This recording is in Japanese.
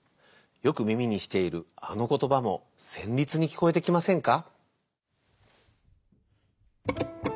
よく耳にしているあのことばもせんりつにきこえてきませんか？